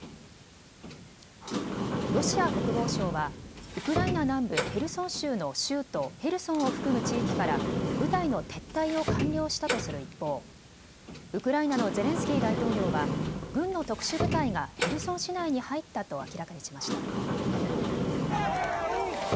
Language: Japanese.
ロシア国防省はウクライナ南部ヘルソン州の州都ヘルソンを含む地域から部隊の撤退を完了したとする一方、ウクライナのゼレンスキー大統領は軍の特殊部隊がヘルソン市内に入ったと明らかにしました。